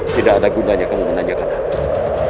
tidak ada gunanya kamu menanyakan apa